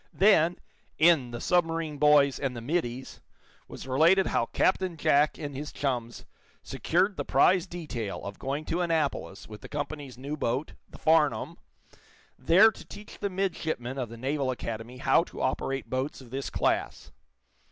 Then, in "The Submarine Boys and the Middies," was related how Captain Jack and his chums secured the prize detail of going to Annapolis with the company's new boat, the "Farnum," there to teach the midshipmen of the Naval Academy how to operate boats of this class.